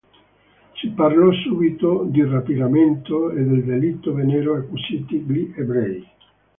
Si parlò subito di rapimento e del delitto vennero accusati gli ebrei.